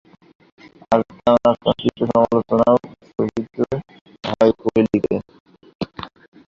আর তাই অনাকাঙ্ক্ষিত সমালোচনাও সইতে হয় কোহলিকে।